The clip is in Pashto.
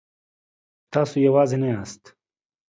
تاسو یوازې نه یاست.